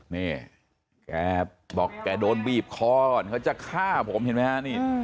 นี่แกบอกแกโดนบีบคอก่อนเขาจะฆ่าผมเห็นไหมฮะนี่